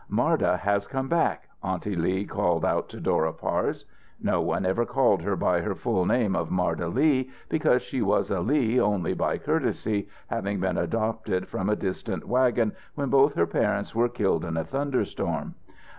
"Marda has come back," Aunty Lee called out to Dora Parse. No one ever called her by her full name of Marda Lee, because she was a Lee only by courtesy, having been adopted from a distant wagon when both her parents were killed in a thunderstorm.